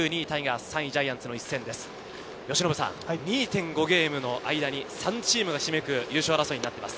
由伸さん、２．５ゲームの間に３チームがひしめく優勝争いです。